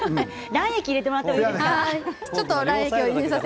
卵液を入れてもらってもいいですか。